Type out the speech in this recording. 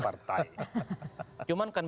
partai cuman kan